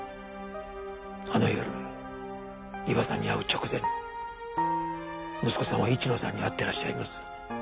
あの夜伊庭さんに会う直前息子さんは市野さんに会ってらっしゃいます。